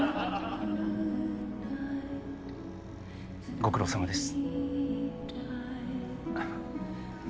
ご苦労さまです。